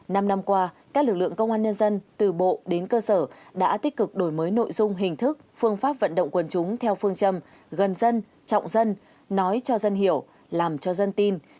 năm năm qua các lực lượng công an nhân dân từ bộ đến cơ sở đã tích cực đổi mới nội dung hình thức phương pháp vận động quân chúng theo phương châm gần dân trọng dân nói cho dân hiểu làm cho dân tin